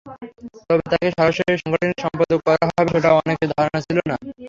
তবে তাঁকে সরাসরি সাংগঠনিক সম্পাদক করা হবে, সেটা অনেকের ধারণায় ছিল না।